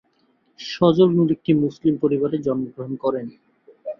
সজল নুর একটি মুসলিম পরিবারে জন্মগ্রহণ করেন।